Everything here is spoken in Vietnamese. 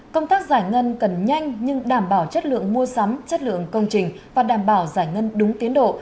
công tác giải ngân cần nhanh nhưng đảm bảo chất lượng mua sắm chất lượng công trình và đảm bảo giải ngân đúng tiến độ